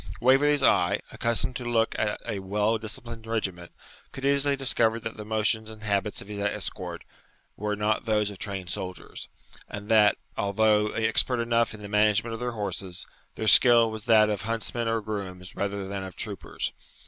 Waverley's eye, accustomed to look at a well disciplined regiment, could easily discover that the motions and habits of his escort were not those of trained soldiers, and that, although expert enough in the management of their horses, their skill was that of huntsmen or grooms rather than of troopers.